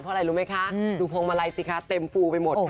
เพราะอะไรรู้ไหมคะดูพวงมาลัยสิคะเต็มฟูไปหมดค่ะ